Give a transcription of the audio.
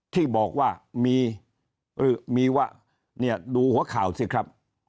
ที่บอกว่ามีว่าเนี่ยดูหัวข่าวสิครับ